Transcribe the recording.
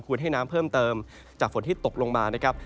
ให้น้ำเพิ่มเติมจากฝนที่ตกลงมานะครับ